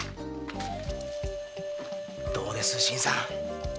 どうです新さん？